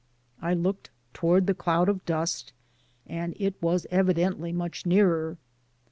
I looked towards the cloud of dust, and it was evidently much nearer.